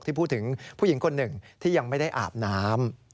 ที่พูดถึงผู้หญิงคนหนึ่งที่ยังไม่ได้อาบน้ำ